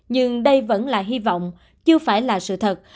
nhưng đây vẫn là hy vọng chưa phải là sự thật